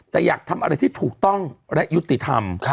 แต่อยากทำอะไรที่ถูกต้องและยุติธรรม